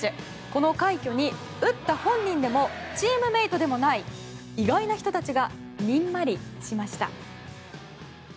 この快挙に、打った本人でもチームメートでもない意外な人たちがにんまりしました。